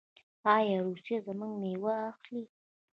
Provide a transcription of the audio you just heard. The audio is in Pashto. آیا روسیه زموږ میوه اخلي؟